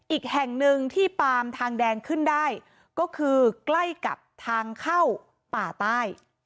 อีกแห่งหนึ่งที่ปามทางแดงขึ้นได้ก็คือใกล้กับทางเข้าป่าใต้